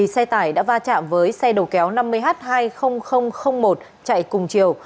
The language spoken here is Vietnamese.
xe tải đã va chạm với xe đầu kéo năm mươi h hai mươi nghìn một chạy cùng chiều